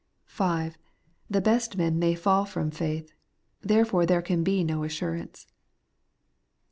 (5) The best men may fall from faith ; there fore there can be no assurance.